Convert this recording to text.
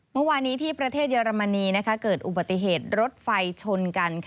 เมื่อวานี้ที่ประเทศเยอรมนีเกิดอุบัติเหตุรถไฟชนกัน